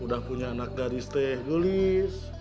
udah punya anak gadis teh gelis